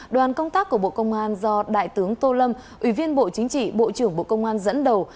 đoàn công tác của bộ công an do đại tướng tô lâm ủy viên bộ chính trị bộ trưởng bộ công an dẫn đầu